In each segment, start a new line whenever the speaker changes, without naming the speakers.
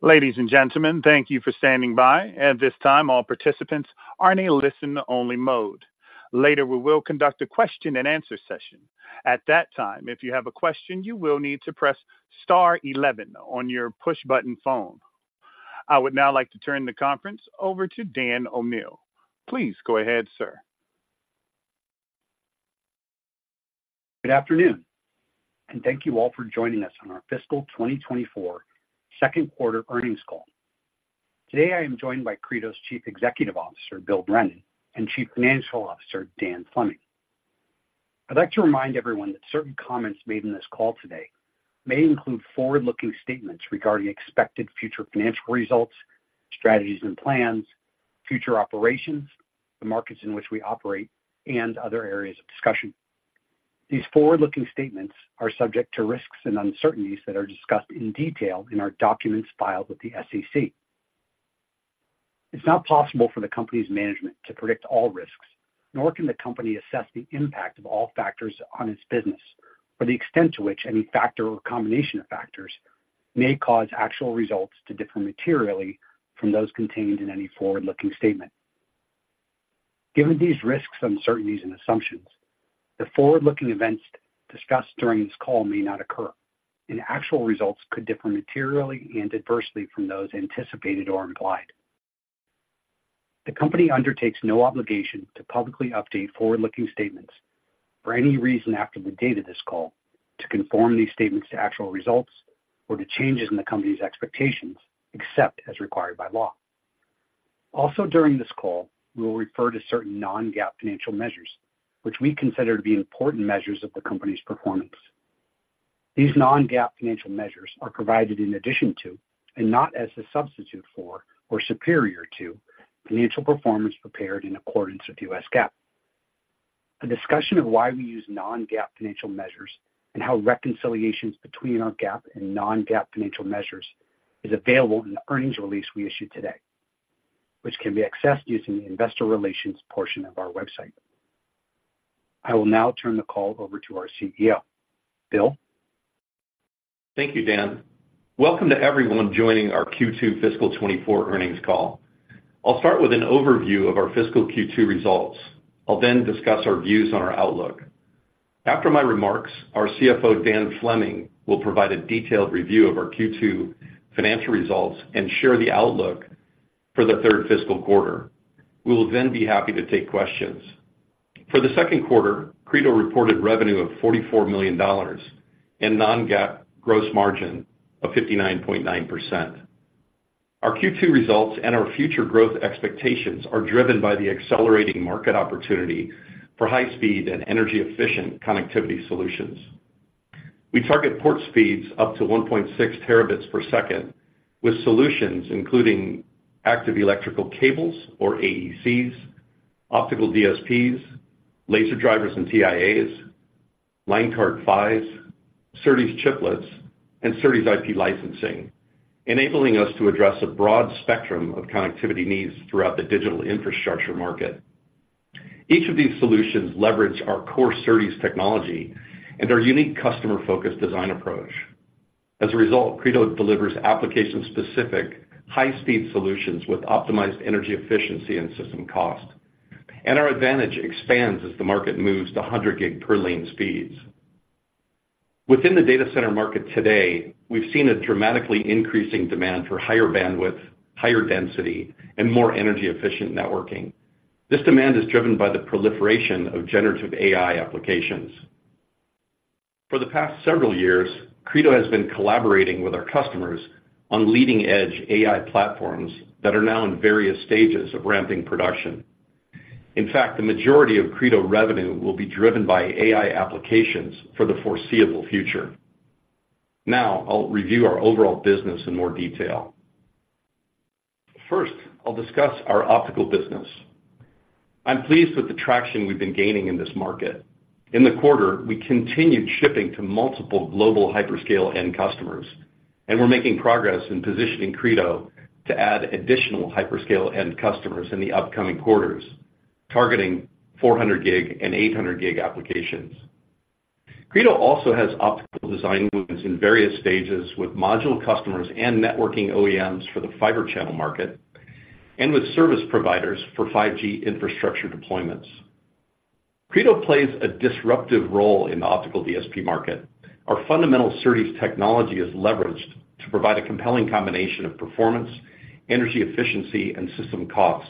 Ladies and gentlemen, thank you for standing by. At this time, all participants are in a listen-only mode. Later, we will conduct a question-and-answer session. At that time, if you have a question, you will need to press star eleven on your push-button phone. I would now like to turn the conference over to Dan O'Neil. Please go ahead, sir.
Good afternoon, and thank you all for joining us on our fiscal 2024 second quarter earnings call. Today, I am joined by Credo's Chief Executive Officer, Bill Brennan, and Chief Financial Officer, Dan Fleming. I'd like to remind everyone that certain comments made in this call today may include forward-looking statements regarding expected future financial results, strategies and plans, future operations, the markets in which we operate, and other areas of discussion. These forward-looking statements are subject to risks and uncertainties that are discussed in detail in our documents filed with the SEC. It's not possible for the company's management to predict all risks, nor can the company assess the impact of all factors on its business or the extent to which any factor or combination of factors may cause actual results to differ materially from those contained in any forward-looking statement. Given these risks, uncertainties and assumptions, the forward-looking events discussed during this call may not occur, and actual results could differ materially and adversely from those anticipated or implied. The company undertakes no obligation to publicly update forward-looking statements for any reason after the date of this call to conform these statements to actual results or to changes in the company's expectations, except as required by law. Also during this call, we will refer to certain Non-GAAP financial measures, which we consider to be important measures of the company's performance. These Non-GAAP financial measures are provided in addition to, and not as a substitute for or superior to, financial performance prepared in accordance with U.S. GAAP. A discussion of why we use Non-GAAP financial measures and how reconciliations between our GAAP and Non-GAAP financial measures is available in the earnings release we issued today, which can be accessed using the investor relations portion of our website. I will now turn the call over to our Chief Executive Officer. Bill?
Thank you, Dan. Welcome to everyone joining our Q2 fiscal 2024 earnings call. I'll start with an overview of our fiscal Q2 results. I'll then discuss our views on our outlook. After my remarks, our Chief Financial Officer, Dan Fleming, will provide a detailed review of our Q2 financial results and share the outlook for the third fiscal quarter. We will then be happy to take questions. For the second quarter, Credo reported revenue of $44 million and Non-GAAP gross margin of 59.9%. Our Q2 results and our future growth expectations are driven by the accelerating market opportunity for high speed and energy-efficient connectivity solutions. We target port speeds up to 1.6 Tbps, with solutions including Active Electrical Cables or AECs, Optical DSPs, laser drivers and TIAs, line card PHYs, SerDes chiplets, and SerDes IP licensing, enabling us to address a broad spectrum of connectivity needs throughout the digital infrastructure market. Each of these solutions leverage our core SerDes technology and our unique customer-focused design approach. As a result, Credo delivers application-specific, high-speed solutions with optimized energy efficiency and system cost. Our advantage expands as the market moves to 100 gig per lane speeds. Within the data center market today, we've seen a dramatically increasing demand for higher bandwidth, higher density, and more energy-efficient networking. This demand is driven by the proliferation of generative AI applications. For the past several years, Credo has been collaborating with our customers on leading-edge AI platforms that are now in various stages of ramping production. In fact, the majority of Credo revenue will be driven by AI applications for the foreseeable future. Now, I'll review our overall business in more detail. First, I'll discuss our optical business. I'm pleased with the traction we've been gaining in this market. In the quarter, we continued shipping to multiple global hyperscale end customers, and we're making progress in positioning Credo to add additional hyperscale end customers in the upcoming quarters, targeting 400 gig and 800 gig applications. Credo also has optical design wins in various stages with module customers and networking OEMs for the Fibre Channel market and with service providers for 5G infrastructure deployments. Credo plays a disruptive role in the optical DSP market. Our fundamental SerDes technology is leveraged to provide a compelling combination of performance, energy efficiency, and system cost.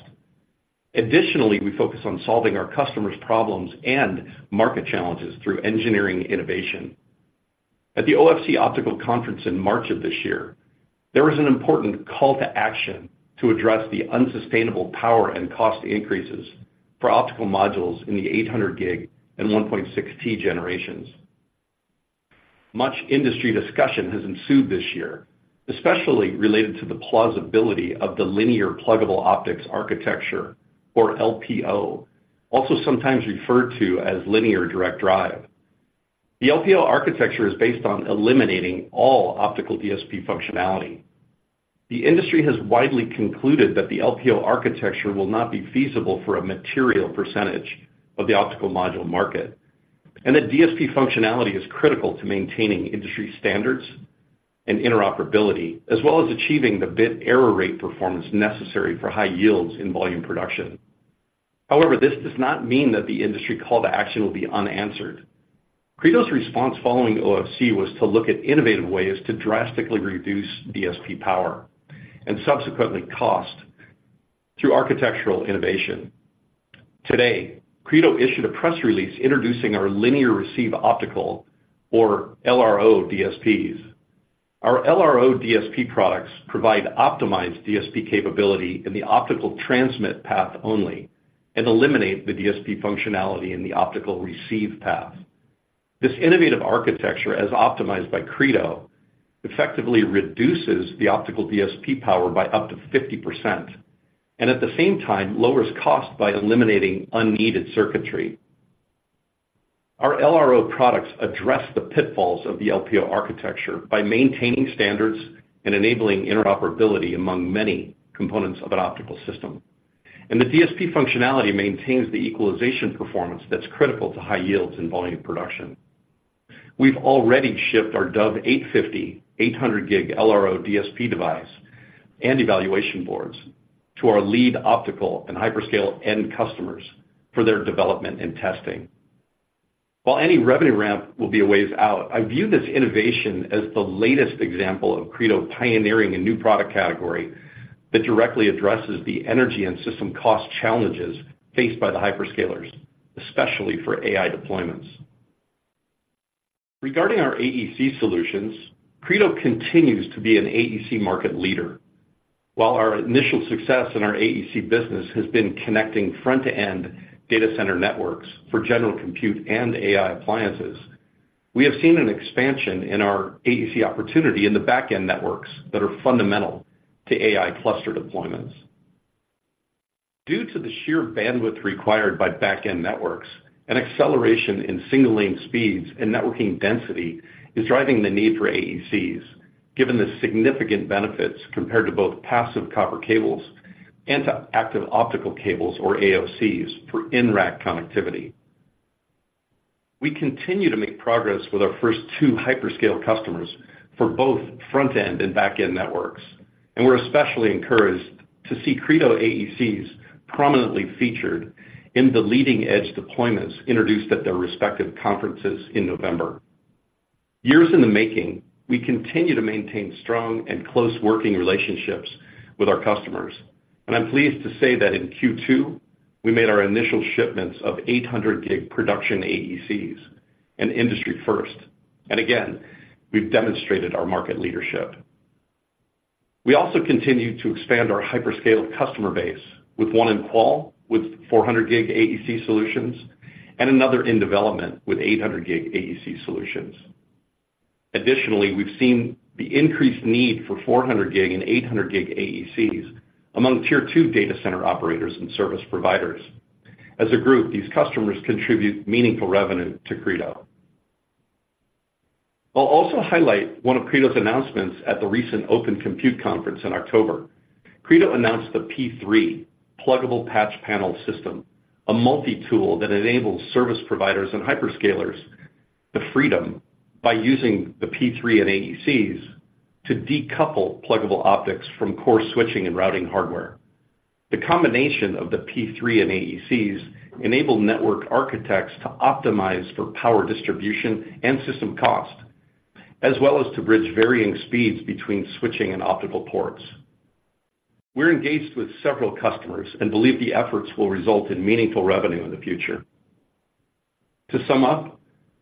Additionally, we focus on solving our customers' problems and market challenges through engineering innovation. At the OFC Optical Conference in March of this year, there was an important call to action to address the unsustainable power and cost increases for optical modules in the 800 gig and 1.6 T generations. Much industry discussion has ensued this year, especially related to the plausibility of the linear pluggable optics architecture, or LPO, also sometimes referred to as linear direct drive. The LPO architecture is based on eliminating all optical DSP functionality. The industry has widely concluded that the LPO architecture will not be feasible for a material percentage of the optical module market. That DSP functionality is critical to maintaining industry standards and interoperability, as well as achieving the bit error rate performance necessary for high yields in volume production. However, this does not mean that the industry call to action will be unanswered. Credo's response following OFC was to look at innovative ways to drastically reduce DSP power and subsequently cost through architectural innovation. Today, Credo issued a press release introducing our Linear Receive Optics or LRO DSPs. Our LRO DSP products provide optimized DSP capability in the optical transmit path only and eliminate the DSP functionality in the optical receive path. This innovative architecture, as optimized by Credo, effectively reduces the optical DSP power by up to 50%, and at the same time, lowers cost by eliminating unneeded circuitry. Our LRO products address the pitfalls of the LPO architecture by maintaining standards and enabling interoperability among many components of an optical system, and the DSP functionality maintains the equalization performance that's critical to high yields in volume production. We've already shipped our Dove 850, 800G LRO DSP device and evaluation boards to our lead optical and hyperscale end customers for their development and testing. While any revenue ramp will be a ways out, I view this innovation as the latest example of Credo pioneering a new product category that directly addresses the energy and system cost challenges faced by the hyperscalers, especially for AI deployments. Regarding our AEC solutions, Credo continues to be an AEC market leader. While our initial success in our AEC business has been connecting front-to-end data center networks for general compute and AI appliances, we have seen an expansion in our AEC opportunity in the back-end networks that are fundamental to AI cluster deployments. Due to the sheer bandwidth required by back-end networks, an acceleration in single-lane speeds and networking density is driving the need for AECs, given the significant benefits compared to both passive copper cables and to active optical cables or AOCs for in-rack connectivity. We continue to make progress with our first two hyperscale customers for both front-end and back-end networks, and we're especially encouraged to see Credo AECs prominently featured in the leading-edge deployments introduced at their respective conferences in November. Years in the making, we continue to maintain strong and close working relationships with our customers, and I'm pleased to say that in Q2, we made our initial shipments of 800G production AECs, an industry first, and again, we've demonstrated our market leadership. We also continued to expand our hyperscale customer base with one in qual, with 400G AEC solutions and another in development with 800G AEC solutions. Additionally, we've seen the increased need for 400G and 800G AECs among tier two data center operators and service providers. As a group, these customers contribute meaningful revenue to Credo. I'll also highlight one of Credo's announcements at the recent Open Compute Conference in October. Credo announced the P3 Pluggable Patch Panel system, a multi-tool that enables service providers and hyperscalers the freedom by using the P3 and AECs to decouple pluggable optics from core switching and routing hardware. The combination of the P3 and AECs enable network architects to optimize for power distribution and system cost, as well as to bridge varying speeds between switching and optical ports. We're engaged with several customers and believe the efforts will result in meaningful revenue in the future. To sum up,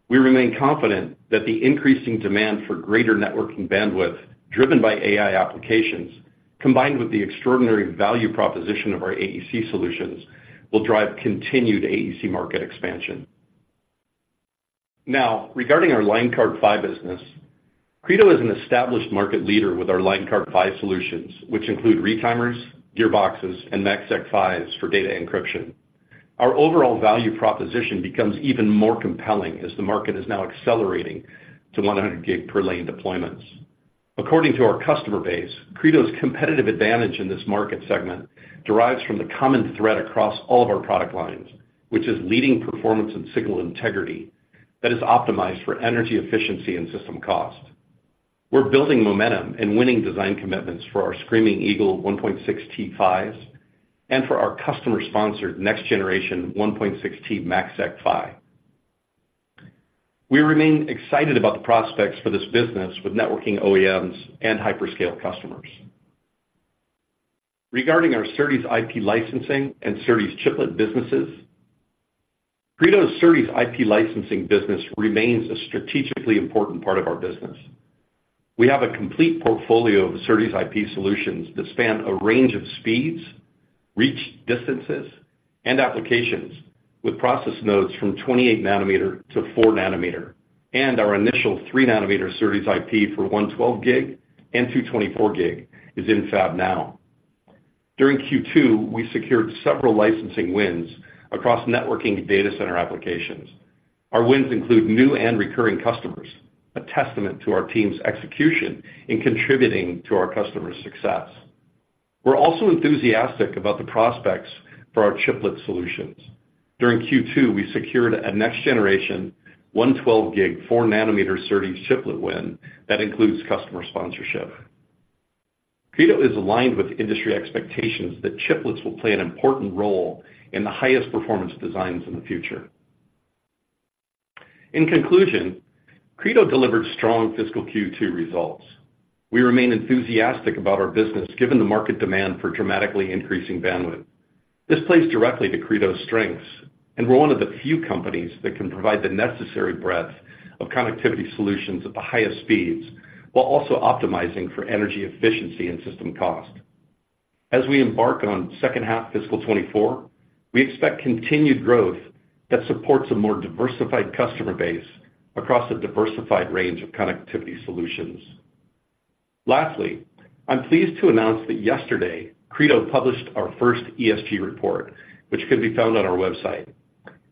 we remain confident that the increasing demand for greater networking bandwidth driven by AI applications, combined with the extraordinary value proposition of our AEC solutions, will drive continued AEC market expansion. Now, regarding our Line Card PHY business, Credo is an established market leader with our Line Card PHY solutions, which include retimers, gearboxes, and MACsec PHYs for data encryption. Our overall value proposition becomes even more compelling as the market is now accelerating to 100 gig per lane deployments. According to our customer base, Credo's competitive advantage in this market segment derives from the common thread across all of our product lines, which is leading performance and signal integrity that is optimized for energy efficiency and system cost. We're building momentum and winning design commitments for our Screaming Eagle 1.6 T PHYs, and for our customer-sponsored next generation 1.6 T MACsec PHY. We remain excited about the prospects for this business with networking OEMs and hyperscale customers. Regarding our SerDes IP licensing and SerDes chiplet businesses, Credo's SerDes IP licensing business remains a strategically important part of our business. We have a complete portfolio of SerDes IP solutions that span a range of speeds, reach distances, and applications, with process nodes from 28 nanometer to 4 nanometer, and our initial 3 nanometer SerDes IP for 112 gig and 224 gig is in fab now. During Q2, we secured several licensing wins across networking data center applications. Our wins include new and recurring customers, a testament to our team's execution in contributing to our customers' success. We're also enthusiastic about the prospects for our chiplet solutions. During Q2, we secured a next-generation 112 gig, 4 nanometer SerDes chiplet win that includes customer sponsorship. Credo is aligned with industry expectations that chiplets will play an important role in the highest performance designs in the future. In conclusion, Credo delivered strong fiscal Q2 results. We remain enthusiastic about our business, given the market demand for dramatically increasing bandwidth. This plays directly to Credo's strengths, and we're one of the few companies that can provide the necessary breadth of connectivity solutions at the highest speeds, while also optimizing for energy efficiency and system cost. As we embark on second half fiscal 2024, we expect continued growth that supports a more diversified customer base across a diversified range of connectivity solutions. Lastly, I'm pleased to announce that yesterday, Credo published our first ESG report, which can be found on our website.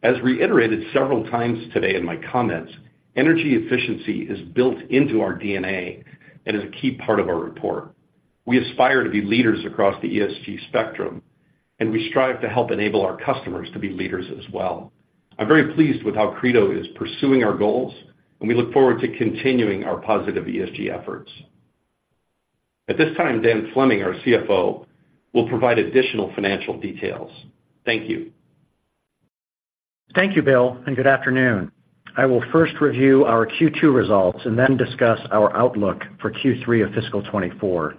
As reiterated several times today in my comments, energy efficiency is built into our DNA and is a key part of our report. We aspire to be leaders across the ESG spectrum, and we strive to help enable our customers to be leaders as well. I'm very pleased with how Credo is pursuing our goals, and we look forward to continuing our positive ESG efforts. At this time, Dan Fleming, our Chief Financial Officer, will provide additional financial details. Thank you.
Thank you, Bill, and good afternoon. I will first review our Q2 results and then discuss our outlook for Q3 of fiscal 2024.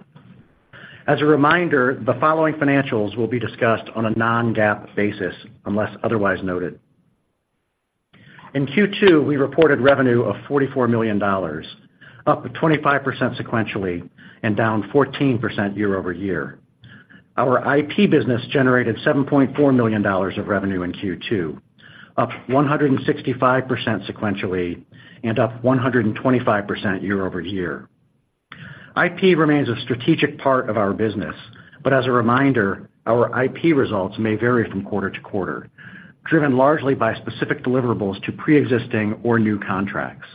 As a reminder, the following financials will be discussed on a non-GAAP basis, unless otherwise noted. In Q2, we reported revenue of $44 million, up 25 sequentially and down 14% year-over-year. Our IP business generated $7.4 million of revenue in Q2, up 165 sequentially and up 125% year-over-year. IP remains a strategic part of our business, but as a reminder, our IP results may vary from quarter to quarter, driven largely by specific deliverables to pre-existing or new contracts.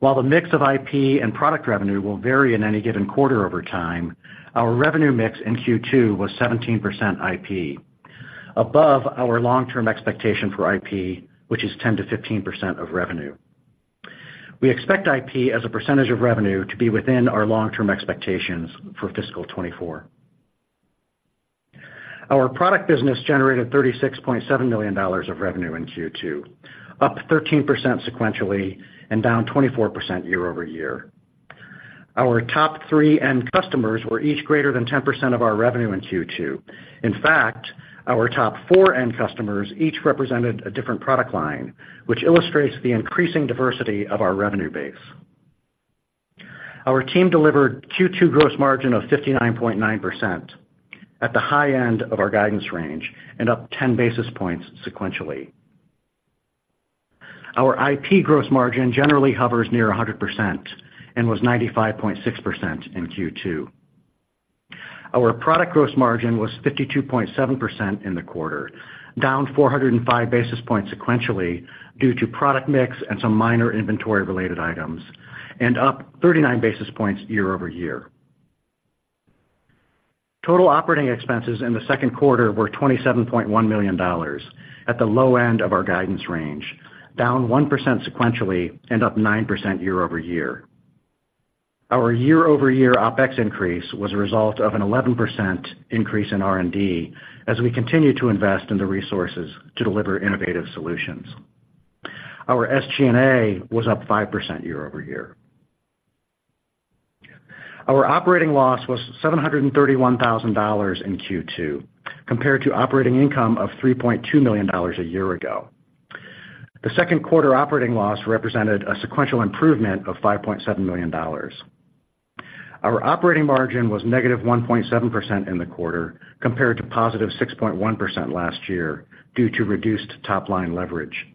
While the mix of IP and product revenue will vary in any given quarter over time, our revenue mix in Q2 was 17% IP, above our long-term expectation for IP, which is 10% to 15% of revenue. We expect IP as a percentage of revenue to be within our long-term expectations for fiscal 2024. Our product business generated $36.7 million of revenue in Q2, up 13% sequentially and down 24% year-over-year. Our top three end customers were each greater than 10% of our revenue in Q2. In fact, our top four end customers each represented a different product line, which illustrates the increasing diversity of our revenue base. Our team delivered Q2 gross margin of 59.9% at the high end of our guidance range and up 10 basis points sequentially. Our IP gross margin generally hovers near 100% and was 95.6% in Q2. Our product gross margin was 52.7% in the quarter, down 405 basis points sequentially due to product mix and some minor inventory-related items, and up 39 basis points year over year. Total operating expenses in the second quarter were $27.1 million at the low end of our guidance range, down 1% sequentially and up 9% year over year. Our year-over-year OpEx increase was a result of an 11% increase in R&D as we continue to invest in the resources to deliver innovative solutions. Our SG&A was up 5% year over year. Our operating loss was $731,000 in Q2, compared to operating income of $3.2 million a year ago. The second quarter operating loss represented a sequential improvement of $5.7 million. Our operating margin was -1.7% in the quarter, compared to +6.1% last year, due to reduced top-line leverage.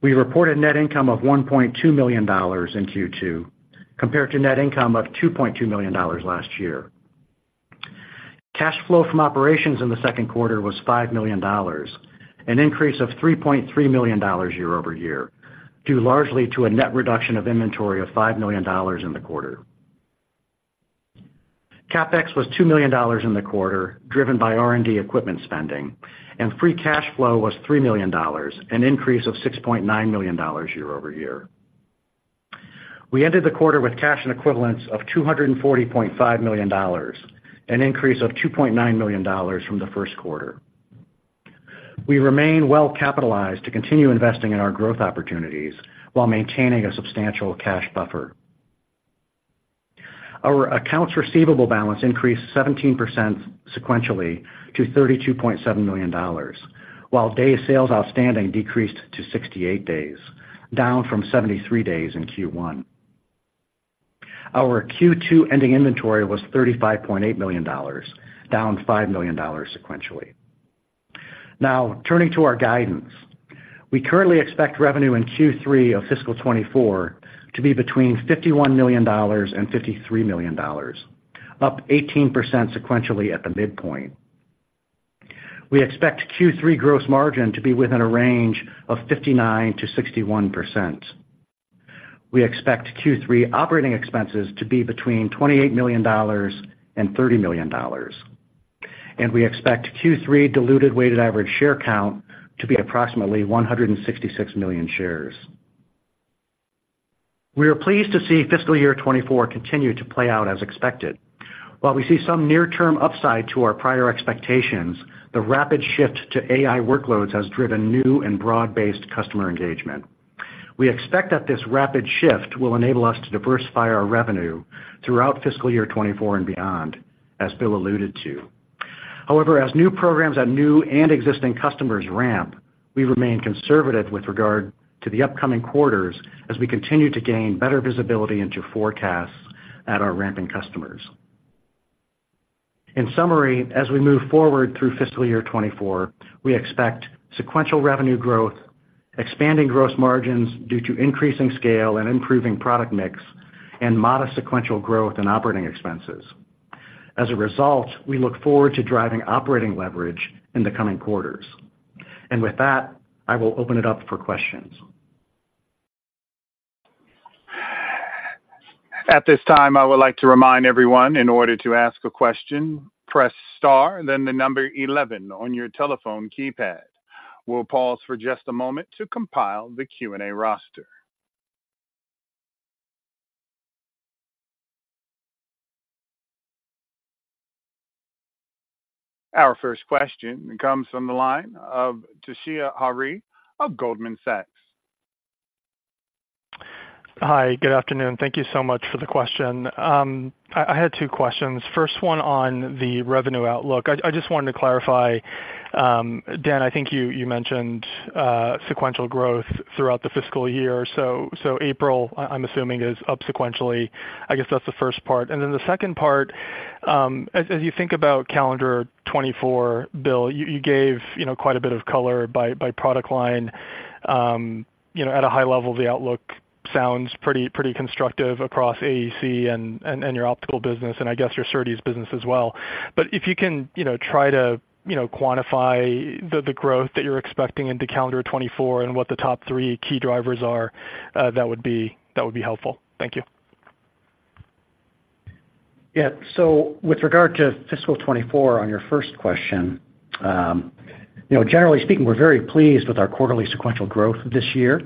We reported net income of $1.2 million in Q2, compared to net income of $2.2 million last year. Cash flow from operations in the second quarter was $5 million, an increase of $3.3 million year-over-year, due largely to a net reduction of inventory of $5 million in the quarter. CapEx was $2 million in the quarter, driven by R&D equipment spending, and free cash flow was $3 million, an increase of $6.9 million year-over-year. We ended the quarter with cash and equivalents of $240.5 million, an increase of $2.9 million from the first quarter. We remain well-capitalized to continue investing in our growth opportunities while maintaining a substantial cash buffer. Our accounts receivable balance increased 17% sequentially to $32.7 million, while days sales outstanding decreased to 68 days, down from 73 days in Q1. Our Q2 ending inventory was $35.8 million, down $5 million sequentially. Now, turning to our guidance. We currently expect revenue in Q3 of fiscal 2024 to be between $51 million and $53 million, up 18% sequentially at the midpoint. We expect Q3 gross margin to be within a range of 59% to 61%. We expect Q3 operating expenses to be between $28 million and $30 million, and we expect Q3 diluted weighted average share count to be approximately 166 million shares. We are pleased to see fiscal year 2024 continue to play out as expected. While we see some near-term upside to our prior expectations, the rapid shift to AI workloads has driven new and broad-based customer engagement. We expect that this rapid shift will enable us to diversify our revenue throughout fiscal year 2024 and beyond, as Bill alluded to. However, as new programs at new and existing customers ramp, we remain conservative with regard to the upcoming quarters as we continue to gain better visibility into forecasts at our ramping customers. In summary, as we move forward through fiscal year 2024, we expect sequential revenue growth, expanding gross margins due to increasing scale and improving product mix, and modest sequential growth in operating expenses. As a result, we look forward to driving operating leverage in the coming quarters. With that, I will open it up for questions.
At this time, I would like to remind everyone, in order to ask a question, press Star, then the number eleven on your telephone keypad. We'll pause for just a moment to compile the Q&A roster. Our first question comes from the line of Toshiya Hari of Goldman Sachs.
Hi, good afternoon. Thank you so much for the question. I had two questions. First one on the revenue outlook. I just wanted to clarify, Dan, I think you mentioned sequential growth throughout the fiscal year. So April, I'm assuming, is up sequentially. I guess that's the first part. And then the second part, as you think about calendar 2024, Bill, you gave, you know, quite a bit of color by product line. You know, at a high level, the outlook sounds pretty constructive across AEC and your optical business, and I guess your SerDes business as well. But if you can, you know, try to quantify the growth that you're expecting into calendar 2024 and what the top three key drivers are, that would be helpful. Thank you.
Yeah. So with regard to fiscal 2024, on your first question, you know, generally speaking, we're very pleased with our quarterly sequential growth this year.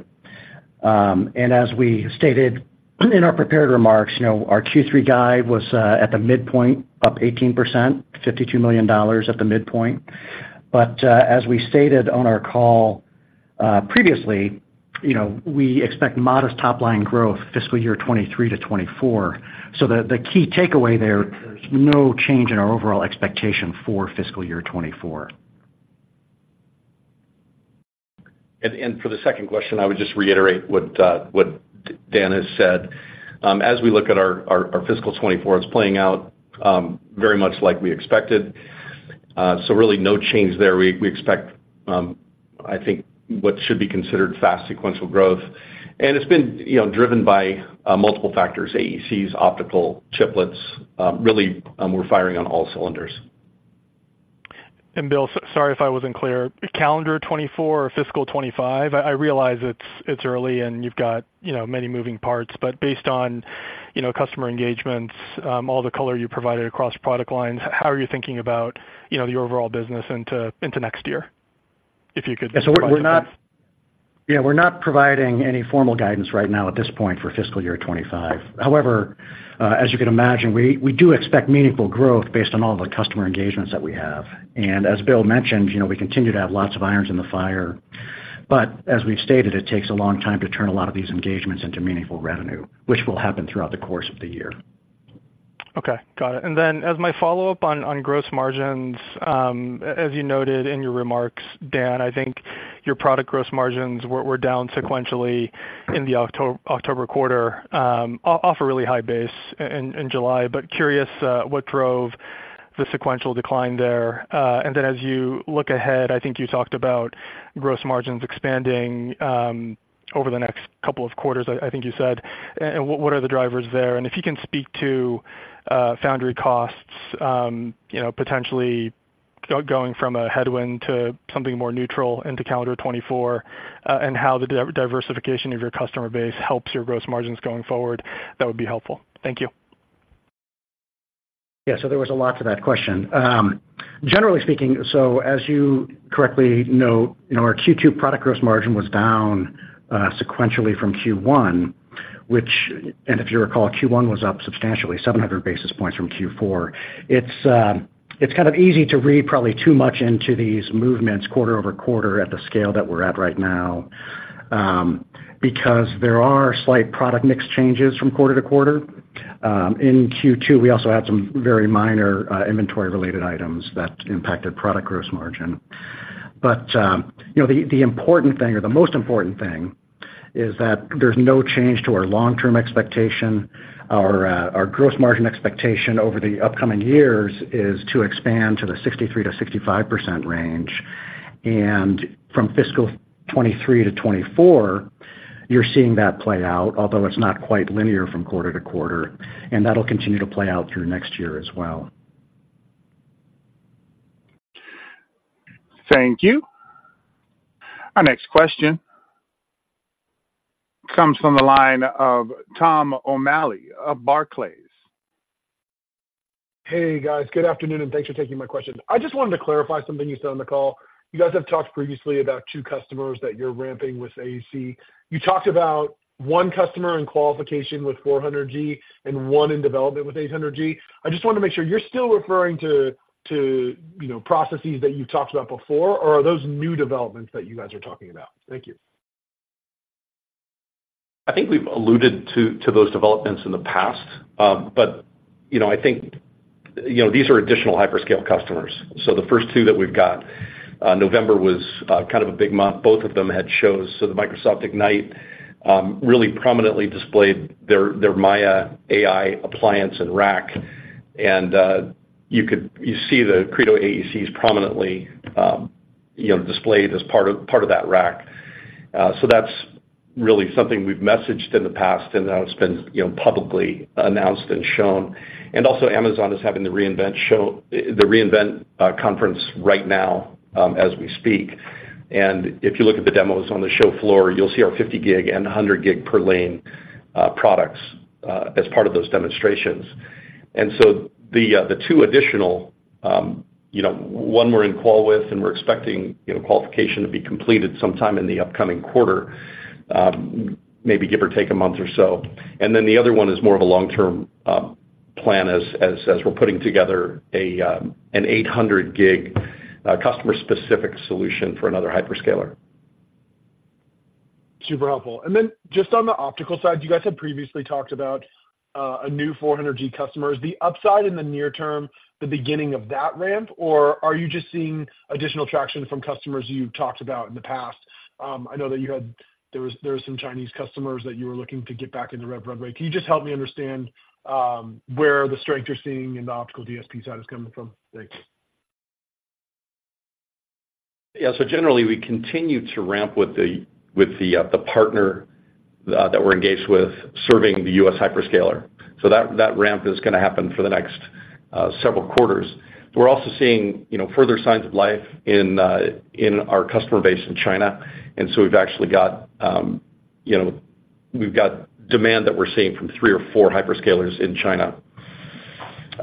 As we stated in our prepared remarks, you know, our Q3 guide was, at the midpoint, up 18%, $52 million at the midpoint. But, as we stated on our call, previously, you know, we expect modest top-line growth, fiscal year 2023 to 2024. So the, the key takeaway there, there's no change in our overall expectation for fiscal year 2024.
For the second question, I would just reiterate what Dan has said. As we look at our fiscal 2024, it's playing out very much like we expected. So really no change there. We expect, I think, what should be considered fast sequential growth, and it's been, you know, driven by multiple factors, AECs, optical, chiplets. Really, we're firing on all cylinders.
And Bill, sorry if I wasn't clear. Calendar 2024 or fiscal 2025, I realize it's early, and you've got, you know, many moving parts, but based on, you know, customer engagements, all the color you provided across product lines, how are you thinking about, you know, the overall business into, into next year, if you could-
Yeah. So we're not providing any formal guidance right now at this point for fiscal year 25. However, as you can imagine, we do expect meaningful growth based on all the customer engagements that we have. And as Bill mentioned, you know, we continue to have lots of irons in the fire, but as we've stated, it takes a long time to turn a lot of these engagements into meaningful revenue, which will happen throughout the course of the year.
Okay, got it. And then, as my follow-up on gross margins, as you noted in your remarks, Dan, I think your product gross margins were down sequentially in the October quarter, off a really high base in July. But curious, what drove the sequential decline there? And then as you look ahead, I think you talked about gross margins expanding over the next couple of quarters, I think you said, and what are the drivers there? And if you can speak to foundry costs, you know, potentially going from a headwind to something more neutral into calendar 2024, and how the diversification of your customer base helps your gross margins going forward, that would be helpful. Thank you.
Yeah, so there was a lot to that question. Generally speaking, so as you correctly note, you know, our Q2 product gross margin was down sequentially from Q1, which... And if you recall, Q1 was up substantially, 700 basis points from Q4. It's, it's kind of easy to read probably too much into these movements quarter over quarter at the scale that we're at right now, because there are slight product mix changes from quarter to quarter. In Q2, we also had some very minor, inventory-related items that impacted product gross margin. But, you know, the, the important thing, or the most important thing, is that there's no change to our long-term expectation. Our, our gross margin expectation over the upcoming years is to expand to the 63% to 65% range. From fiscal 2023 to 2024, you're seeing that play out, although it's not quite linear from quarter to quarter, and that'll continue to play out through next year as well.
Thank you. Our next question comes from the line of Tom O'Malley of Barclays.
Hey, guys. Good afternoon, and thanks for taking my question. I just wanted to clarify something you said on the call. You guys have talked previously about two customers that you're ramping with AEC. You talked about one customer in qualification with 400G and one in development with 800G. I just wanted to make sure you're still referring to, you know, processes that you've talked about before, or are those new developments that you guys are talking about? Thank you.
I think we've alluded to those developments in the past. But, you know, I think, you know, these are additional hyperscale customers. So the first two that we've got, November was kind of a big month. Both of them had shows, so the Microsoft Ignite really prominently displayed their Maia AI appliance and rack. And you could see the Credo AECs prominently, you know, displayed as part of that rack. So that's really something we've messaged in the past, and now it's been, you know, publicly announced and shown. And also, Amazon is having the re:Invent show, the re:Invent conference right now, as we speak. And if you look at the demos on the show floor, you'll see our 50 gig and 100 gig per lane products as part of those demonstrations. And so the two additional, you know, one we're in call with, and we're expecting, you know, qualification to be completed sometime in the upcoming quarter, maybe give or take a month or so. And then the other one is more of a long-term plan as we're putting together an 800 gig customer-specific solution for another hyperscaler.
Super helpful. And then just on the optical side, you guys had previously talked about a new 400G customers. The upside in the near term, the beginning of that ramp, or are you just seeing additional traction from customers you've talked about in the past? I know that there were some Chinese customers that you were looking to get back in the rev runway. Can you just help me understand where the strength you're seeing in the optical DSP side is coming from? Thanks.
Yeah. So generally, we continue to ramp with the partner that we're engaged with serving the U.S. hyperscaler. So that ramp is gonna happen for the next several quarters. We're also seeing, you know, further signs of life in our customer base in China, and so we've actually got, you know, we've got demand that we're seeing from three or four hyperscalers in China.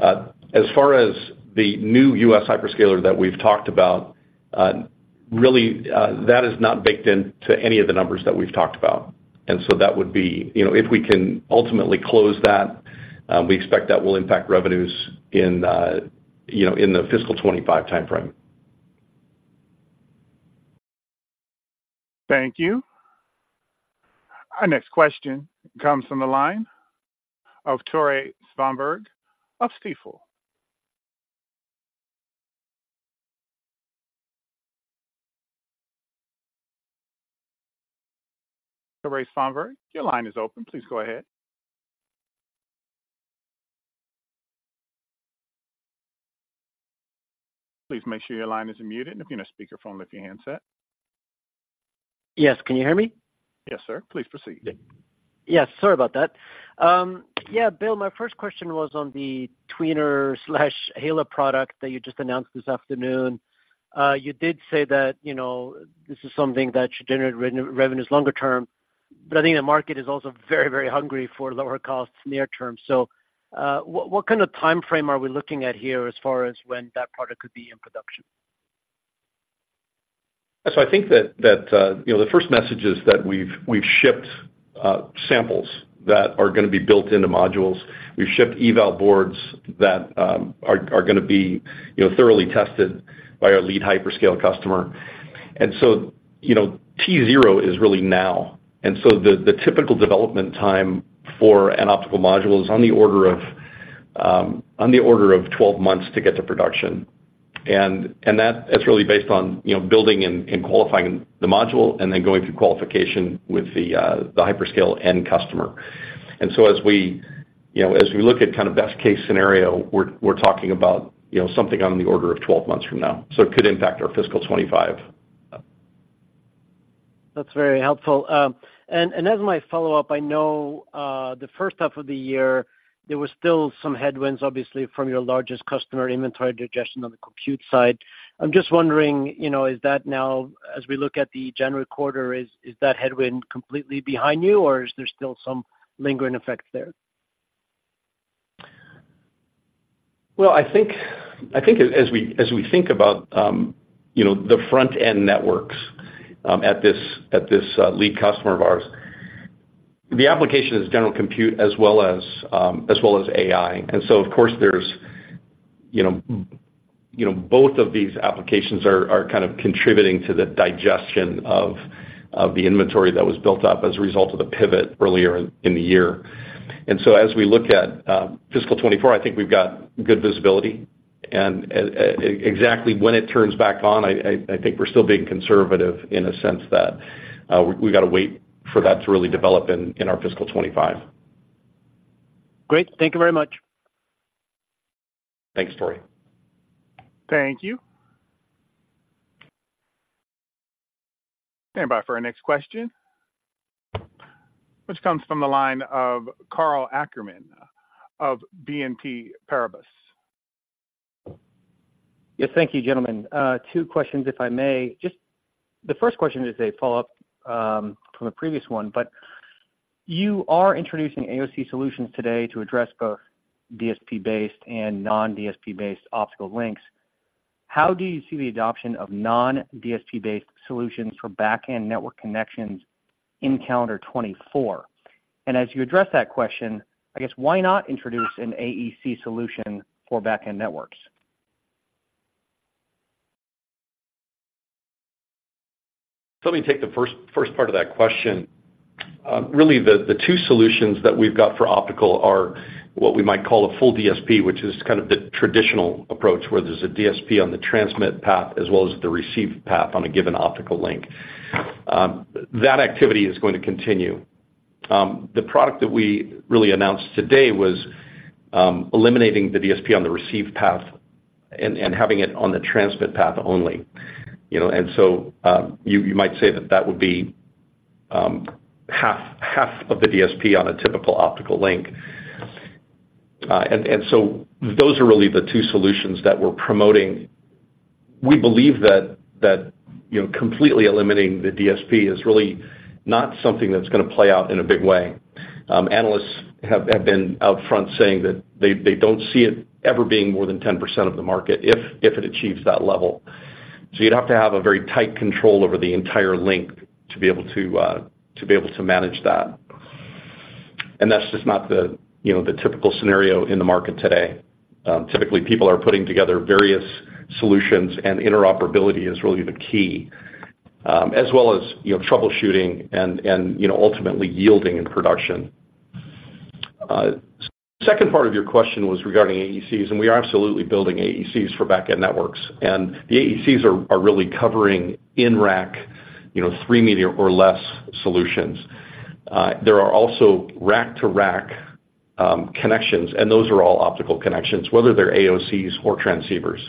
As far as the new U.S. hyperscaler that we've talked about, really, that is not baked into any of the numbers that we've talked about. And so that would be, you know, if we can ultimately close that, we expect that will impact revenues in, you know, in the fiscal 2025 timeframe.
Thank you. Our next question comes from the line of Tore Svanberg of Stifel. Tore Svanberg, your line is open. Please go ahead. Please make sure your line isn't muted, and if you're on speaker phone, lift your handset.
Yes, can you hear me?
Yes, sir. Please proceed.
Yes, sorry about that. Yeah, Bill, my first question was on the tweener/LRO product that you just announced this afternoon. You did say that, you know, this is something that should generate revenues longer term, but I think the market is also very, very hungry for lower costs near term. So, what kind of timeframe are we looking at here as far as when that product could be in production?
So I think that, you know, the first message is that we've shipped samples that are gonna be built into modules. We've shipped eval boards that are gonna be, you know, thoroughly tested by our lead hyperscale customer. And so, you know, T0 is really now, and so the typical development time for an optical module is on the order of 12 months to get to production. And that is really based on, you know, building and qualifying the module and then going through qualification with the hyperscale end customer. And so as we, you know, as we look at kind of best case scenario, we're talking about, you know, something on the order of 12 months from now, so it could impact our fiscal 2025.
That's very helpful. And as my follow-up, I know the first half of the year, there were still some headwinds, obviously, from your largest customer, inventory digestion on the compute side. I'm just wondering, you know, is that now, as we look at the January quarter, is that headwind completely behind you, or is there still some lingering effects there?
Well, I think as we think about you know the front-end networks at this lead customer of ours, the application is general compute as well as AI. And so, of course, there's you know both of these applications are kind of contributing to the digestion of the inventory that was built up as a result of the pivot earlier in the year. And so as we look at fiscal 2024, I think we've got good visibility, and exactly when it turns back on, I think we're still being conservative in a sense that we've got to wait for that to really develop in our fiscal 2025.
Great. Thank you very much....
Thanks, Tore.
Thank you. Stand by for our next question, which comes from the line of Karl Ackerman of BNP Paribas.
Yes, thank you, gentlemen. Two questions, if I may. Just the first question is a follow-up from the previous one, but you are introducing AOC solutions today to address both DSP-based and non-DSP-based optical links. How do you see the adoption of non-DSP-based solutions for back-end network connections in calendar 2024? And as you address that question, I guess why not introduce an AEC solution for back-end networks?
So let me take the first part of that question. Really, the two solutions that we've got for optical are what we might call a full DSP, which is kind of the traditional approach, where there's a DSP on the transmit path as well as the receive path on a given optical link. That activity is going to continue. The product that we really announced today was eliminating the DSP on the receive path and having it on the transmit path only. You know, and so you might say that that would be half of the DSP on a typical optical link. And so those are really the two solutions that we're promoting. We believe that you know, completely eliminating the DSP is really not something that's gonna play out in a big way. Analysts have been out front saying that they don't see it ever being more than 10% of the market, if it achieves that level. So you'd have to have a very tight control over the entire link to be able to manage that. And that's just not the, you know, the typical scenario in the market today. Typically, people are putting together various solutions, and interoperability is really the key, as well as, you know, troubleshooting and, you know, ultimately yielding in production. Second part of your question was regarding AECs, and we are absolutely building AECs for back-end networks. And the AECs are really covering in-rack, you know, 3-meter or less solutions. There are also rack-to-rack connections, and those are all optical connections, whether they're AOCs or transceivers.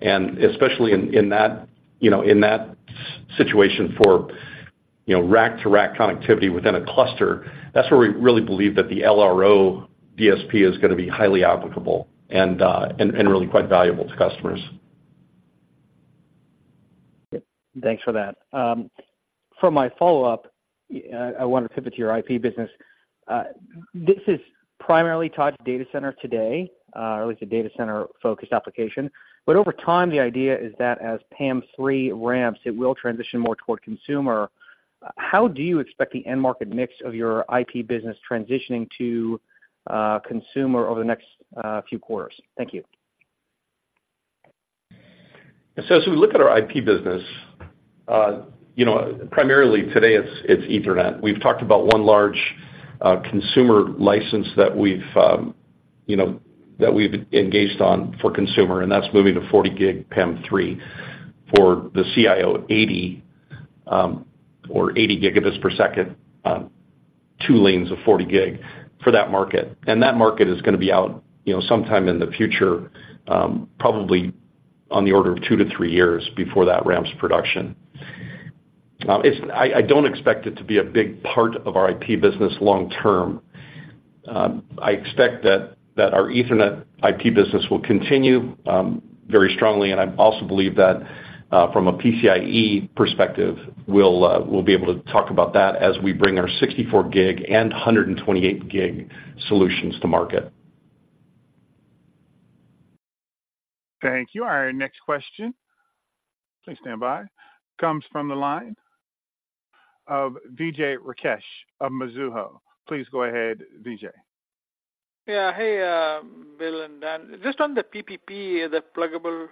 Especially in that, you know, situation for, you know, rack-to-rack connectivity within a cluster, that's where we really believe that the LRO DSP is gonna be highly applicable and really quite valuable to customers.
Thanks for that. For my follow-up, I want to pivot to your IP business. This is primarily tied to data center today, or at least a data center-focused application. But over time, the idea is that as PAM3 ramps, it will transition more toward consumer. How do you expect the end market mix of your IP business transitioning to consumer over the next few quarters? Thank you.
So as we look at our IP business, you know, primarily today, it's Ethernet. We've talked about 1 large consumer license that we've you know engaged on for consumer, and that's moving to 40 gig PAM3 for the USB 80, or 80 Gb per second, 2 lanes of 40 gig for that market. And that market is gonna be out, you know, sometime in the future, probably on the order of 2 to 3 years before that ramps production. I don't expect it to be a big part of our IP business long term. I expect that our Ethernet IP business will continue very strongly, and I also believe that from a PCIe perspective, we'll be able to talk about that as we bring our 64 gig and 128 gig solutions to market.
Thank you. Our next question, please stand by, comes from the line of Vijay Rakesh of Mizuho. Please go ahead, Vijay.
Yeah. Hey, Bill and Dan. Just on the PPP, the Pluggable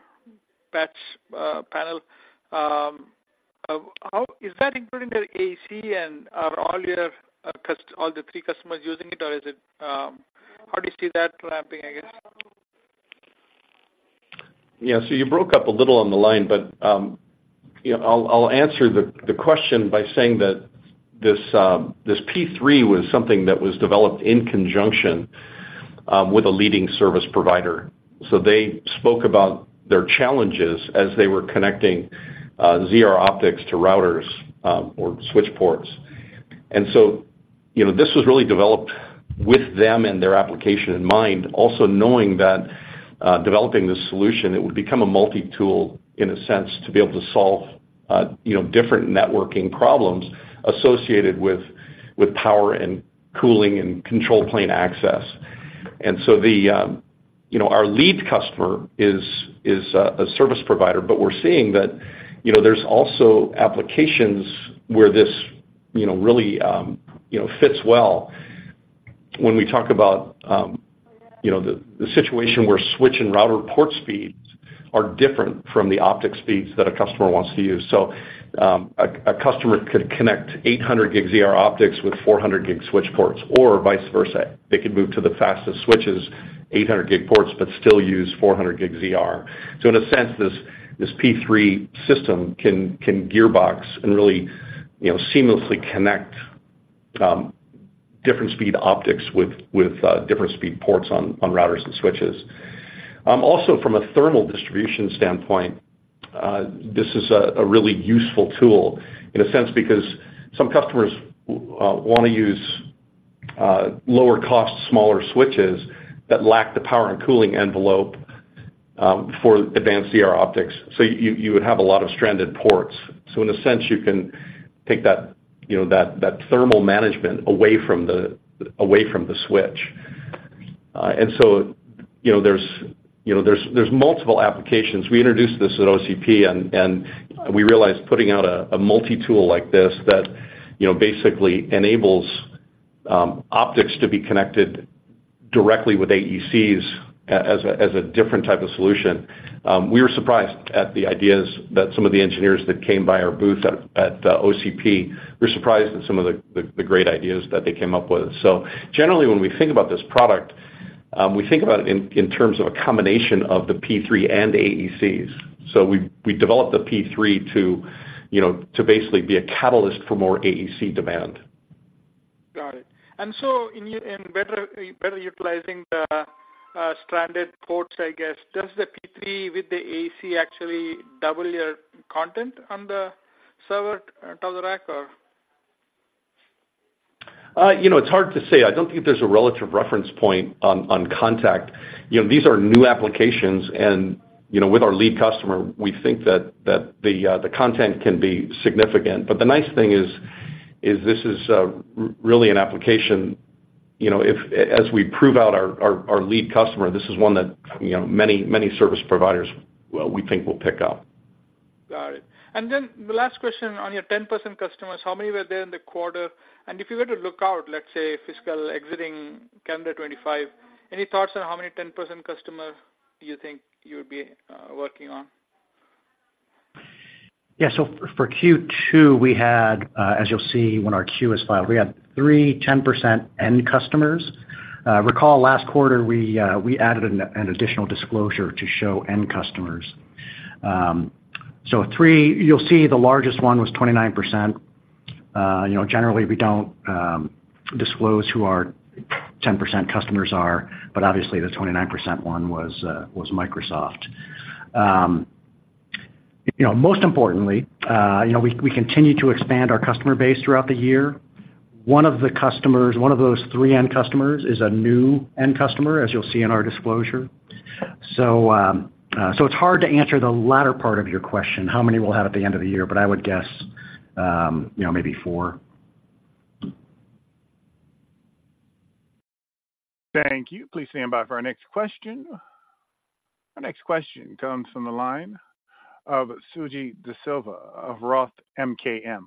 Patch Panel, how is that including the AEC and are all your customers, all the three customers using it, or is it, how do you see that ramping, I guess?
Yeah, so you broke up a little on the line, but, you know, I'll answer the question by saying that this P3 was something that was developed in conjunction with a leading service provider. So they spoke about their challenges as they were connecting ZR Optics to routers or switch ports. And so, you know, this was really developed with them and their application in mind, also knowing that developing this solution, it would become a multi-tool, in a sense, to be able to solve, you know, different networking problems associated with power and cooling and control plane access. And so, you know, our lead customer is a service provider, but we're seeing that, you know, there's also applications where this, you know, really fits well. When we talk about, you know, the situation where switch and router port speeds are different from the optic speeds that a customer wants to use. So, a customer could connect 800G ZR optics with 400G switch ports, or vice versa. They could move to the fastest switches, 800G ports, but still use 400G ZR. So in a sense, this P3 system can gearbox and really, you know, seamlessly connect different speed optics with different speed ports on routers and switches. Also from a thermal distribution standpoint, this is a really useful tool in a sense, because some customers want to use lower cost, smaller switches that lack the power and cooling envelope for advanced coherent optics. So you would have a lot of stranded ports. So in a sense, you can take that, you know, thermal management away from the switch. And so, you know, there's multiple applications. We introduced this at OCP, and we realized putting out a multi-tool like this that, you know, basically enables optics to be connected directly with AECs as a different type of solution. We were surprised at the ideas that some of the engineers that came by our booth at OCP. We were surprised at some of the great ideas that they came up with. So generally, when we think about this product, we think about it in terms of a combination of the P3 and AECs. We developed the P3 to, you know, to basically be a catalyst for more AEC demand.
Got it. So in better utilizing the stranded ports, I guess, does the P3 with the AEC actually double your content on the server tower rack, or?
You know, it's hard to say. I don't think there's a relative reference point on contact. You know, these are new applications and, you know, with our lead customer, we think that the content can be significant. But the nice thing is this is really an application, you know, if as we prove out our lead customer, this is one that, you know, many, many service providers, well, we think will pick up.
Got it. Then the last question on your 10% customers, how many were there in the quarter? And if you were to look out, let's say, fiscal exiting calendar 25, any thoughts on how many 10% customer do you think you would be working on?
Yeah, so for Q2, we had, as you'll see when our Q is filed, we had three 10% end customers. Recall last quarter, we added an additional disclosure to show end customers. So, three. You'll see the largest one was 29%. You know, generally, we don't disclose who our 10% customers are, but obviously, the 29% one was Microsoft. You know, most importantly, you know, we continue to expand our customer base throughout the year. One of the customers, one of those three end customers is a new end customer, as you'll see in our disclosure. So, it's hard to answer the latter part of your question, how many we'll have at the end of the year, but I would guess, you know, maybe four.
Thank you. Please stand by for our next question. Our next question comes from the line of Suji DeSilva of Roth MKM.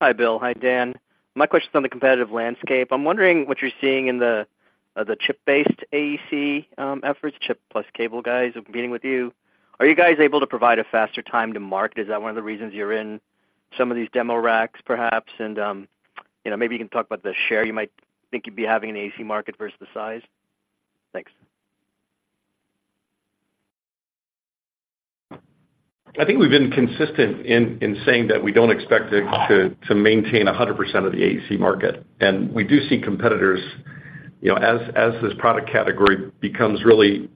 Hi, Bill. Hi, Dan. My question is on the competitive landscape. I'm wondering what you're seeing in the chip-based AEC efforts, chip plus cable guys competing with you. Are you guys able to provide a faster time to market? Is that one of the reasons you're in some of these demo racks, perhaps? And, you know, maybe you can talk about the share you might think you'd be having in the AEC market versus the size. Thanks.
I think we've been consistent in saying that we don't expect to maintain 100% of the AEC market, and we do see competitors. You know, as this product category becomes really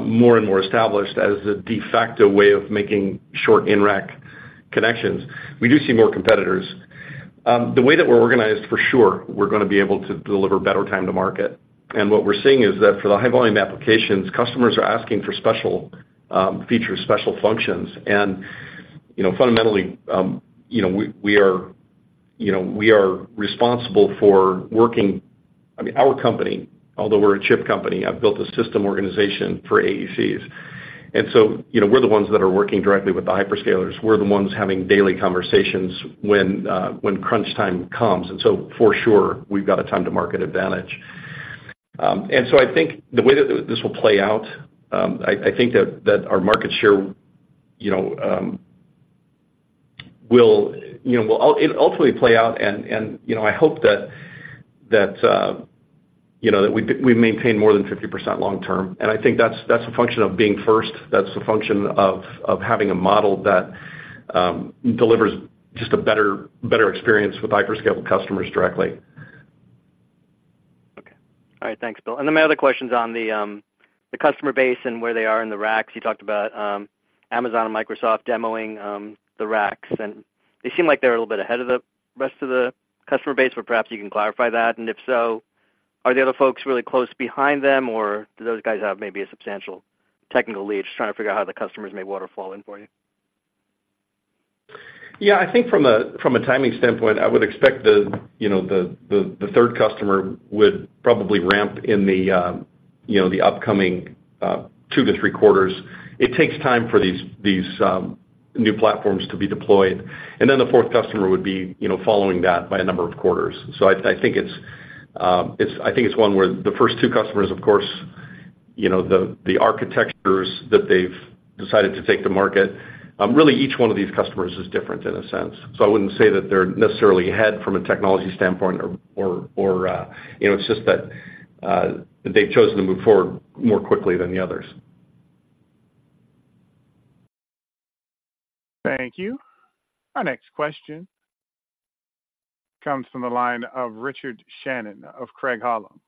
more and more established as a de facto way of making short in-rack connections, we do see more competitors. The way that we're organized, for sure, we're gonna be able to deliver better time to market. And what we're seeing is that for the high-volume applications, customers are asking for special features, special functions. And, you know, fundamentally, you know, we are responsible for working, I mean, our company, although we're a chip company, I've built a system organization for AECs. And so, you know, we're the ones that are working directly with the hyperscalers. We're the ones having daily conversations when, when crunch time comes, and so for sure, we've got a time to market advantage. And so I think the way that that this will play out, I think that that our market share, you know, will, you know, will—it ultimately play out and, and, you know, I hope that that, you know, that we, we maintain more than 50% long term. And I think that's that's a function of being first. That's a function of having a model that delivers just a better experience with hyperscale customers directly.
Okay. All right, thanks, Bill. And then my other question's on the customer base and where they are in the racks. You talked about Amazon and Microsoft demoing the racks, and they seem like they're a little bit ahead of the rest of the customer base, but perhaps you can clarify that. And if so, are the other folks really close behind them, or do those guys have maybe a substantial technical lead? Just trying to figure out how the customers may waterfall in for you.
Yeah, I think from a timing standpoint, I would expect, you know, the third customer would probably ramp in the upcoming 2 to 3 quarters. It takes time for these new platforms to be deployed, and then the fourth customer would be, you know, following that by a number of quarters. So I think it's one where the first two customers, of course, you know, the architectures that they've decided to take to market, really each one of these customers is different in a sense. So I wouldn't say that they're necessarily ahead from a technology standpoint or, you know, it's just that they've chosen to move forward more quickly than the others.
Thank you. Our next question comes from the line of Richard Shannon of Craig-Hallum.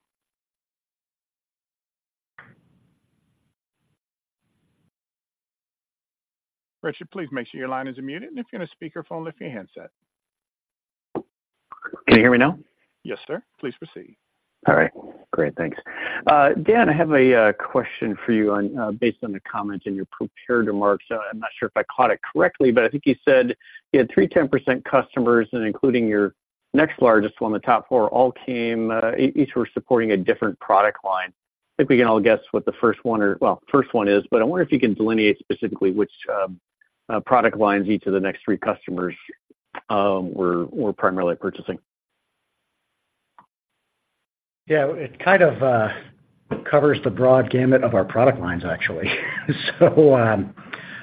Richard, please make sure your line is unmuted, and if you're on a speaker phone, lift your handset.
Can you hear me now?
Yes, sir. Please proceed.
All right, great. Thanks. Dan, I have a question for you on based on the comments in your prepared remarks. I'm not sure if I caught it correctly, but I think you said you had three 10% customers, and including your next largest one, the top four, all came each were supporting a different product line. I think we can all guess what the first one well first one is, but I wonder if you can delineate specifically which product lines each of the next three customers were primarily purchasing.
Yeah, it kind of covers the broad gamut of our product lines, actually. So,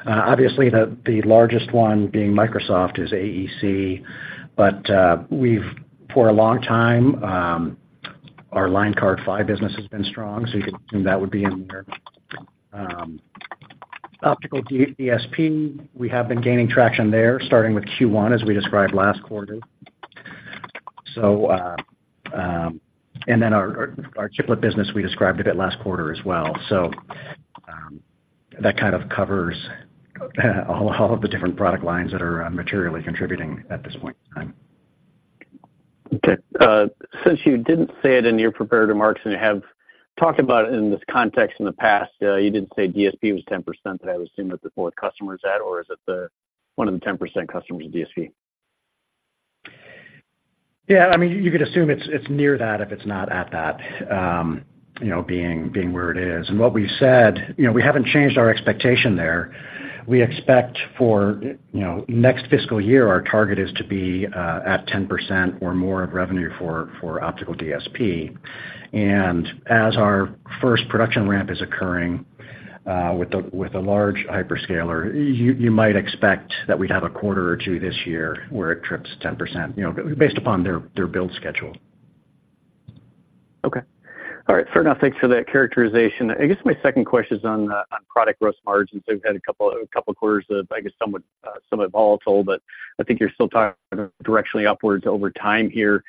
obviously, the largest one being Microsoft is AEC, but we've for a long time our Line Card PHY business has been strong, so you can assume that would be in there. Optical DSP, we have been gaining traction there, starting with Q1, as we described last quarter. So, and then our chiplet business, we described a bit last quarter as well. So, that kind of covers all of the different product lines that are materially contributing at this point in time.
Okay. Since you didn't say it in your prepared remarks, and you have talked about it in this context in the past, you did say DSP was 10%, but I would assume that the fourth customer is that, or is it the one of the 10% customers of DSP?
Yeah, I mean, you could assume it's, it's near that if it's not at that, you know, being, being where it is. And what we've said, you know, we haven't changed our expectation there. We expect for, you know, next fiscal year, our target is to be at 10% or more of revenue for optical DSP. And as our first production ramp is occurring with the, with a large hyperscaler, you, you might expect that we'd have a quarter or two this year where it trips 10%, you know, based upon their, their build schedule.
Okay. All right, fair enough. Thanks for that characterization. I guess my second question is on product gross margins. We've had a couple quarters of, I guess, somewhat volatile, but I think you're still talking directionally upwards over time here.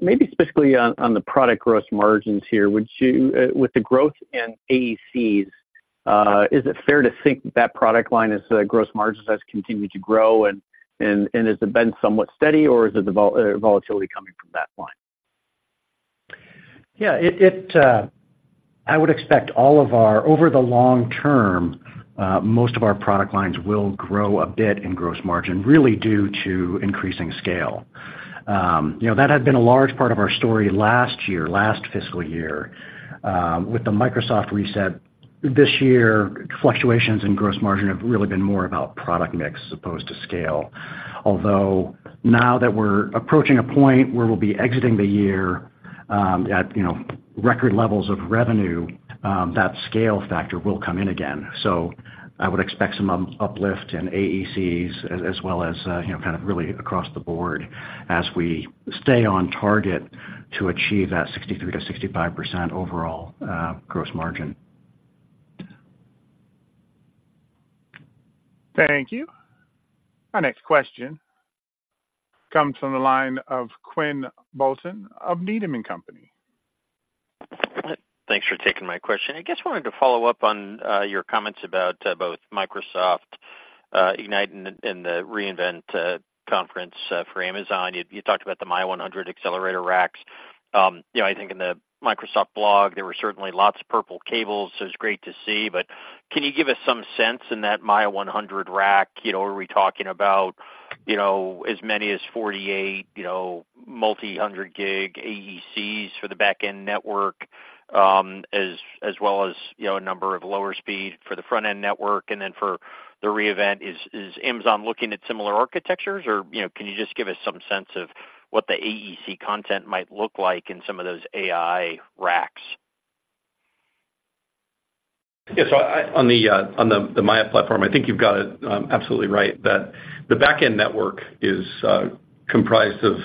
Maybe specifically on the product gross margins here, would you with the growth in AECs, is it fair to think that product line is gross margins has continued to grow, and has it been somewhat steady, or is it the volatility coming from that line?
Yeah, I would expect all of our... Over the long term, most of our product lines will grow a bit in gross margin, really due to increasing scale. You know, that had been a large part of our story last year, last fiscal year. With the Microsoft reset this year, fluctuations in gross margin have really been more about product mix as opposed to scale. Although, now that we're approaching a point where we'll be exiting the year, at, you know, record levels of revenue, that scale factor will come in again. So I would expect some uplift in AECs as, as well as, you know, kind of really across the board as we stay on target to achieve that 63% to 65% overall gross margin.
Thank you. Our next question comes from the line of Quinn Bolton of Needham and Company.
Thanks for taking my question. I just wanted to follow up on your comments about both Microsoft Ignite and the re:Invent conference for Amazon. You talked about the Maia 100 accelerator racks. You know, I think in the Microsoft blog, there were certainly lots of purple cables, so it's great to see. But can you give us some sense in that Maia 100 rack? You know, are we talking about, you know, as many as 48, you know, multi-hundred gig AECs for the back-end network, as well as, you know, a number of lower speed for the front-end network? And then for the re:Invent, is Amazon looking at similar architectures? Or, you know, can you just give us some sense of what the AEC content might look like in some of those AI racks?
Yeah, so I, on the, on the, the Maia platform, I think you've got it, absolutely right, that the back-end network is, comprised of,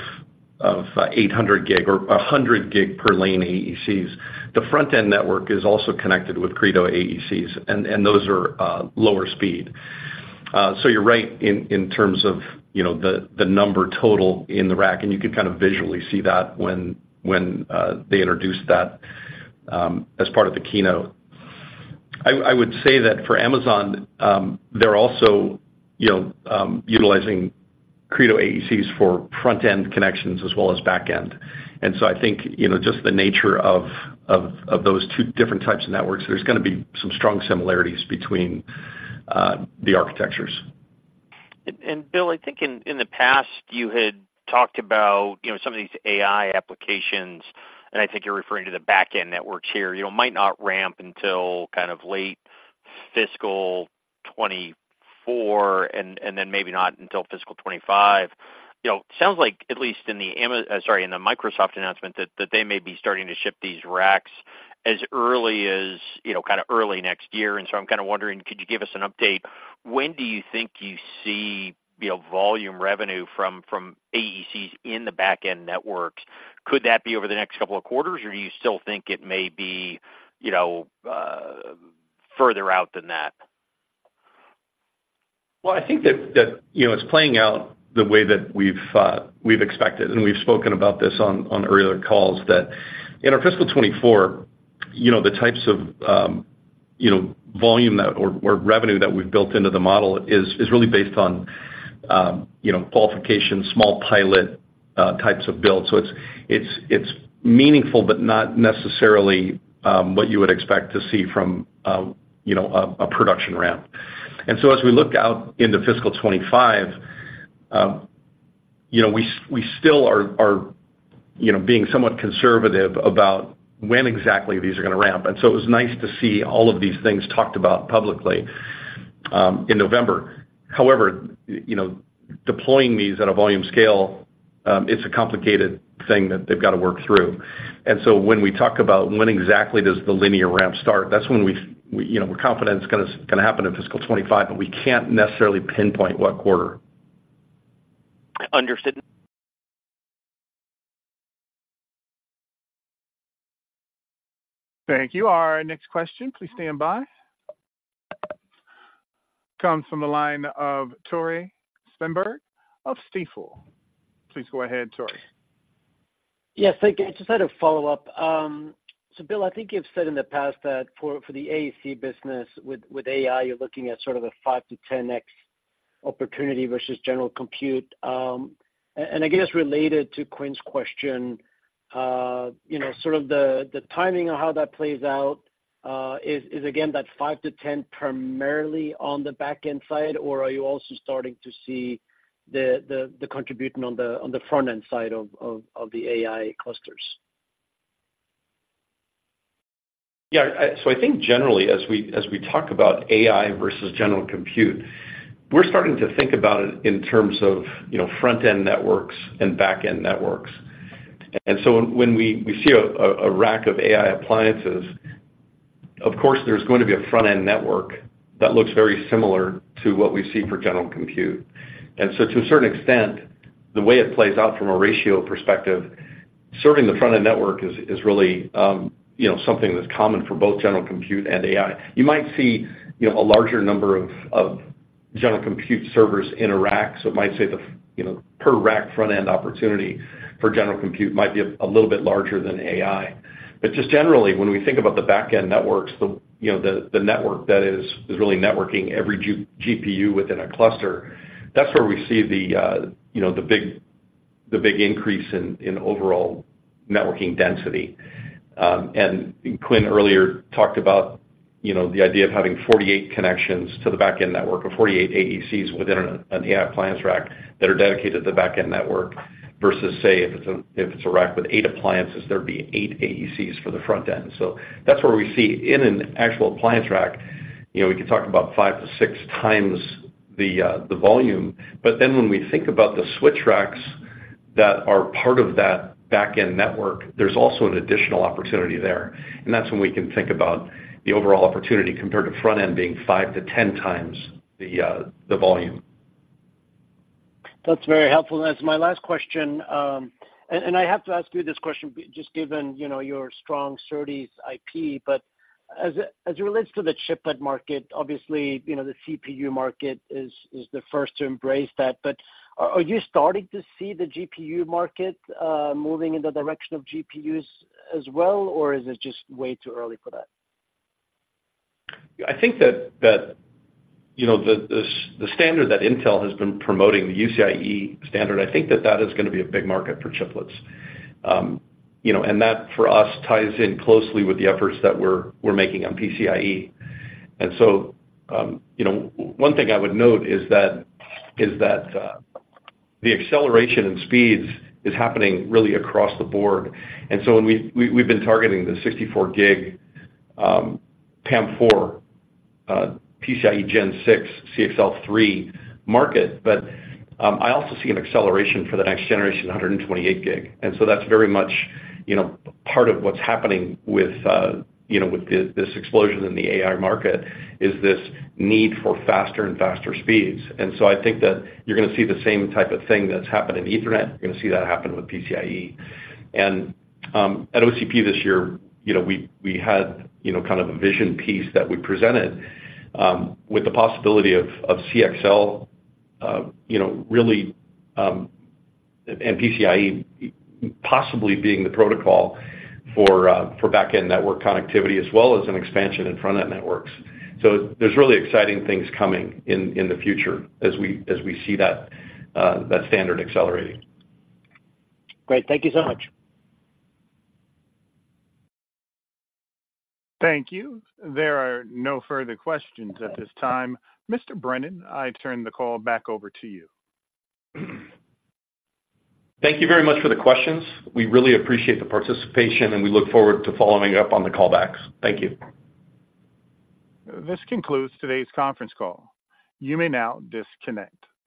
of, 800 gig or 100 gig per lane AECs. The front-end network is also connected with Credo AECs, and, and those are, lower speed. So you're right in, in terms of, you know, the, the number total in the rack, and you can kind of visually see that when, when, they introduced that, as part of the keynote. I, I would say that for Amazon, they're also, you know, utilizing Credo AECs for front-end connections as well as back-end. And so I think, you know, just the nature of, of, of those two different types of networks, there's gonna be some strong similarities between, the architectures.
Bill, I think in the past you had talked about, you know, some of these AI applications, and I think you're referring to the back-end networks here, you know, might not ramp until kind of late fiscal 2024 and then maybe not until fiscal 2025. You know, sounds like at least in the Microsoft announcement, that they may be starting to ship these racks as early as, you know, kind of early next year. And so I'm kind of wondering, could you give us an update? When do you think you see, you know, volume revenue from AECs in the back-end networks? Could that be over the next couple of quarters, or do you still think it may be, you know, further out than that?
Well, I think that, you know, it's playing out the way that we've we've expected, and we've spoken about this on earlier calls, that in our fiscal 2024, you know, the types of volume that or revenue that we've built into the model is really based on qualification, small pilot types of builds. So it's meaningful, but not necessarily what you would expect to see from a production ramp. And so as we look out into fiscal 2025, you know, we still are being somewhat conservative about when exactly these are going to ramp. And so it was nice to see all of these things talked about publicly in November. However, you know, deploying these at a volume scale, it's a complicated thing that they've got to work through. And so when we talk about when exactly does the linear ramp start, that's when we, you know, we're confident it's gonna happen in fiscal 25, but we can't necessarily pinpoint what quarter.
Understood.
Thank you. Our next question, please stand by. Comes from the line of Tore Svanberg of Stifel. Please go ahead, Tore.
Yes, thank you. I just had a follow-up. So Bill, I think you've said in the past that for the AEC business, with AI, you're looking at sort of a 5 to 10x opportunity versus general compute. And I guess related to Quinn's question, you know, sort of the timing of how that plays out, is again, that 5 to 10 primarily on the back-end side, or are you also starting to see the contribution on the front-end side of the AI clusters?
Yeah, so I think generally, as we talk about AI versus general compute, we're starting to think about it in terms of, you know, front-end networks and back-end networks. And so when we see a rack of AI appliances, of course, there's going to be a front-end network that looks very similar to what we see for general compute. And so to a certain extent, the way it plays out from a ratio perspective, serving the front-end network is really, you know, something that's common for both general compute and AI. You might see, you know, a larger number of general compute servers in a rack, so it might say the, you know, per rack front-end opportunity for general compute might be a little bit larger than AI. But just generally, when we think about the back-end networks, you know, the network that is really networking every GPU within a cluster, that's where we see, you know, the big increase in overall networking density. And Quinn earlier talked about, you know, the idea of having 48 connections to the back-end network, or 48 AECs within an AI appliance rack that are dedicated to the back-end network, versus say, if it's a rack with eight appliances, there'd be eight AECs for the front end. So that's where we see in an actual appliance rack, you know, we could talk about 5-6 times the volume. But then when we think about the switch racks that are part of that back-end network, there's also an additional opportunity there, and that's when we can think about the overall opportunity compared to front-end being 5 to 10 times the volume.
That's very helpful. As my last question, I have to ask you this question, just given, you know, your strong SerDes IP, but as it relates to the chiplet market, obviously, you know, the CPU market is the first to embrace that, but are you starting to see the GPU market moving in the direction of chiplets as well, or is it just way too early for that?
I think that, you know, the standard that Intel has been promoting, the UCIe standard, I think that that is going to be a big market for chiplets. You know, and that, for us, ties in closely with the efforts that we're making on PCIe. And so, you know, one thing I would note is that the acceleration in speeds is happening really across the board. And so when we've been targeting the 64 gig PAM4 PCIe Gen 6 CXL 3 market, but I also see an acceleration for the next generation, 128 gig. And so that's very much, you know, part of what's happening with, you know, with this explosion in the AI market, is this need for faster and faster speeds. And so I think that you're going to see the same type of thing that's happened in Ethernet. You're going to see that happen with PCIe. And, at OCP this year, you know, we had, you know, kind of a vision piece that we presented, with the possibility of CXL, you know, really, and PCIe possibly being the protocol for for back-end network connectivity as well as an expansion in front-end networks. So there's really exciting things coming in the future as we see that standard accelerating.
Great. Thank you so much.
Thank you. There are no further questions at this time. Mr. Brennan, I turn the call back over to you.
Thank you very much for the questions. We really appreciate the participation, and we look forward to following up on the call backs. Thank you.
This concludes today's conference call. You may now disconnect.